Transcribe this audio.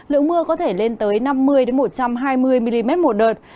lượng mưa có thể lên tới năm mươi một trăm hai mươi mm một đợt